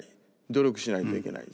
努力しないといけない。